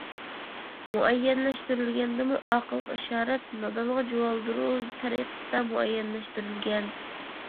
مۇئەييەنلەشتۈرۈلگەندىمۇ ئاقىلغا ئىشارەت نادانغا جۇۋالدۇرۇز تەرىقىسىدە مۇئەييەنلەشتۈرۈلگەن.